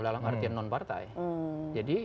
dalam artian non partai jadi